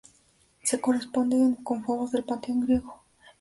Se corresponde con Fobos del panteón griego.